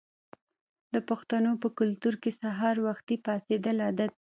د پښتنو په کلتور کې سهار وختي پاڅیدل عادت دی.